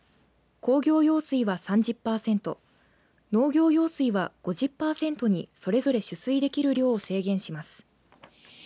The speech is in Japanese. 工業用水は３０パーセント農業用水は５０パーセントにそれぞれ取水できる量を制限します。